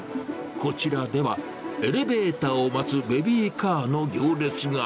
こちらでは、エレベーターを待つベビーカーの行列が。